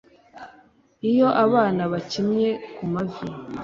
iyo abana bakinnye kumavi